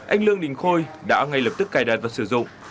anh lương đình khôi đã ngay lập tức cài đặt và sử dụng